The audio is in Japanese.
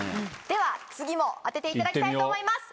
では次も当てていただきたいと思います。